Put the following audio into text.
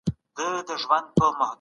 سترګي رانه پټي كړه